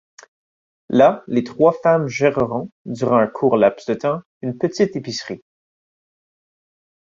Là, les trois femmes gèreront, durant un court laps de temps, une petite épicerie.